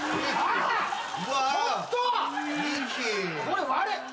これ割れ